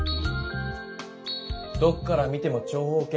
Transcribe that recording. どっから見ても長方形。